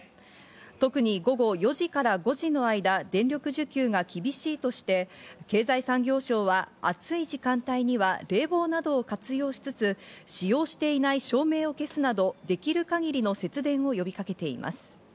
特に午後４時から５時の間、電力需給が厳しいとして、経済産業省は暑い時間帯には冷房等を活用しつつ、使用していない照明を消すなど、できる限りの節電を呼びかけています。